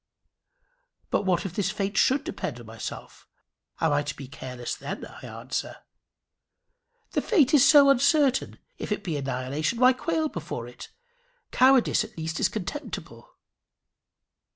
"But what if this fate should depend on myself? Am I to be careless then?" I answer. "The fate is so uncertain! If it be annihilation, why quail before it? Cowardice at least is contemptible."